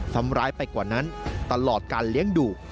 ทำร้ายไปกว่านั้นตลอดการเลี้ยงดู